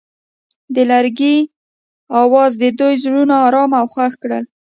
د لرګی اواز د دوی زړونه ارامه او خوښ کړل.